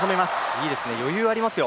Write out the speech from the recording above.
いいですね、余裕ありますよ